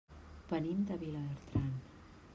Venim de Vilabertran.